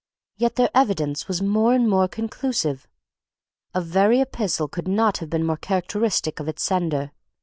Yet their evidence was more and more conclusive: a very epistle could not have been more characteristic of its sender.